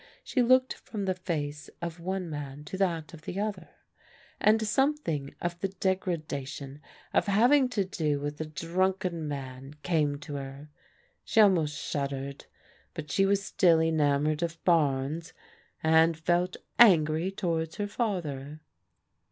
She looked from the face of one man to that of the other, and something of the degradation of having to do with a drunken man came to her. She almost shuddered; but she was still enamoured of Barnes, and felt angry towards her father.